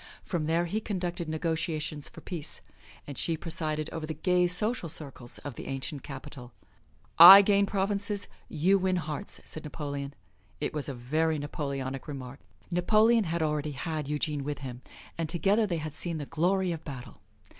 From there he conducted negotiations for peace and she presided over the gay social circles of the ancient capital. "I gain provinces; you win hearts," said Napoleon. It was a very Napoleonic remark. Napoleon had already had Eugene with him, and together they had seen the glory of battle.